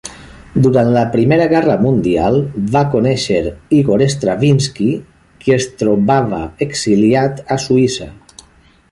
Durant la Primera Guerra Mundial va conèixer Ígor Stravinski, qui es trobava exiliat a Suïssa.